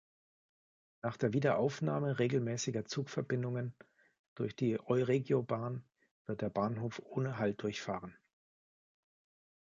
Nach der Wiederaufnahme regelmäßiger Zugverbindungen durch die Euregiobahn wird der Bahnhof ohne Halt durchfahren.